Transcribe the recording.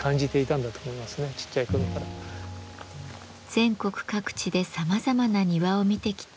全国各地でさまざまな庭を見てきた藤代さん。